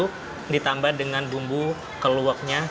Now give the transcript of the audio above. aduk jadi satu ditambah dengan bumbu keluaknya